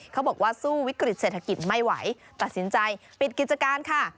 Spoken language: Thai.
เขาบอกว่าสู้วิกฤตเศรษฐกิจไม่ไหวตัดสินใจปิดกิจการค่ะ